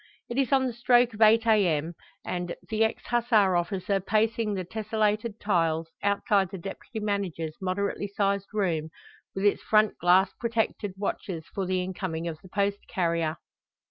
It is on the stroke of 8 a.m., and, the ex Hussar officer pacing the tesselated tiles, outside the deputy manager's moderately sized room with its front glass protected, watches for the incoming of the post carrier.